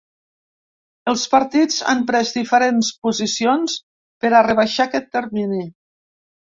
Els partits han pres diferents posicions per a rebaixar aquest termini.